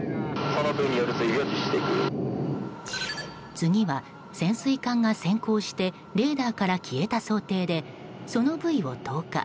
次は、潜水艦が潜航してレーダーから消えた想定でソノブイを投下。